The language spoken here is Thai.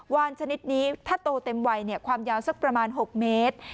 วานชนิดนี้ถ้าโตเต็มวัยความยาวสักประมาณ๖เมตร